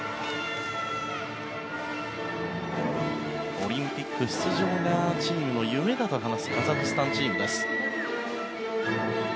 オリンピック出場がチームの夢だと話すカザフスタンチームです。